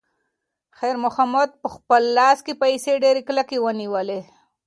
خیر محمد په خپل لاس کې پیسې ډېرې کلکې ونیولې.